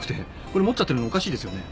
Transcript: これ持っちゃってるのおかしいですよね。